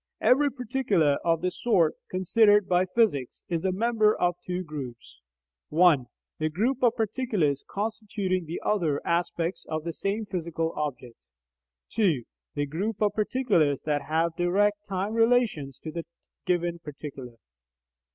Every particular of the sort considered by physics is a member of two groups (1) The group of particulars constituting the other aspects of the same physical object; (2) The group of particulars that have direct time relations to the given particular.